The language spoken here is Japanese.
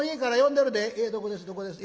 「えっどこですどこです？